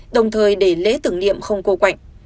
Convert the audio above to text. đồng thời để lễ tưởng niệm không cô quạnh